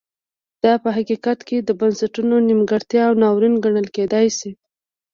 دا په حقیقت کې د بنسټونو نیمګړتیا او ناورین ګڼل کېدای شي.